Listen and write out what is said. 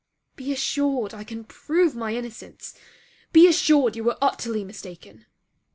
Be assured I can prove my innocence. Be assured you were utterly mistaken.